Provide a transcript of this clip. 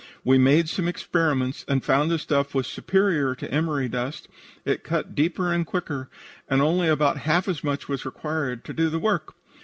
We made some experiments, and found the stuff was superior to emery dust. It cut deeper and quicker, and only about half as much was required to do the work.